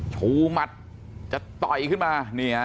ชูหมัดจะต่อยขึ้นมา